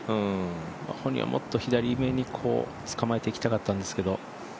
本人はもっと左めにつかまえていきたかったんですけど。